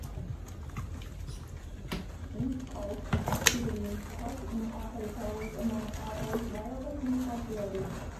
Geekcorps actively help in Africa with among others wireless network building.